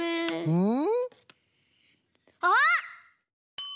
うん！